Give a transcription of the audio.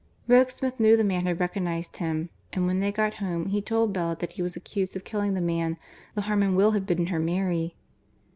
Rokesmith knew the man had recognized him, and when they got home he told Bella that he was accused of killing the man the Harmon will had bidden her marry.